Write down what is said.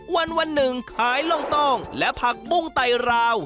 วันหนึ่งขายล่องต้องและผักบุ้งไตรราว